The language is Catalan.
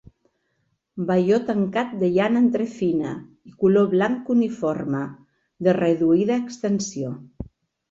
Velló tancat de llana entrefina i color blanc uniforme, de reduïda extensió.